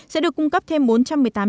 sẽ được cung cấp thêm bốn trăm một mươi tám